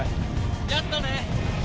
やったね。